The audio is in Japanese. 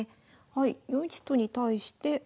はい４一と金に対して。